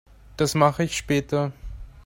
Das mache ich später.